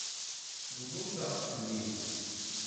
Bḍut-aɣ-ten-id.